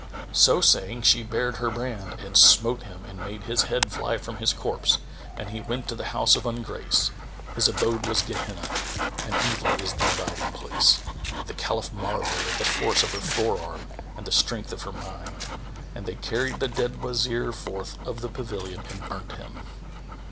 So saying, she bared her brand and smote him and made his head fly from his corpse, and he went to the house of ungrace; his abode was Gehenna, and evil is the abiding place. The Caliph marvelled at the force of her fore arm and the strength of her mind, and they carried the dead Wazir forth of the pavilion and burnt him.